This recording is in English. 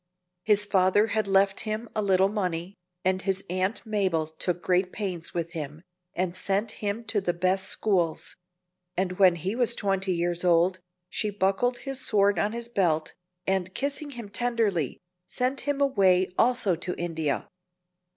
His father had left him a little money, and his aunt Mabel took great pains with him, and sent him to the best schools; and when he was twenty years old, she buckled his sword on his belt, and kissing him tenderly, sent him away also to India.